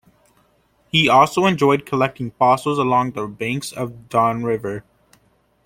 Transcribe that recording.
He also enjoyed collecting fossils along the banks of the Don River.